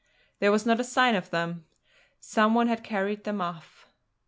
There was not a sign of them! Some one had carried them off.